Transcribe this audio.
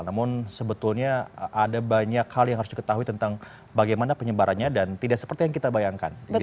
namun sebetulnya ada banyak hal yang harus diketahui tentang bagaimana penyebarannya dan tidak seperti yang kita bayangkan